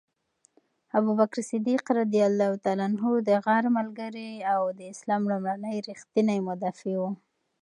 ابوبکر صدیق د غار ملګری او د اسلام لومړنی ریښتینی مدافع و.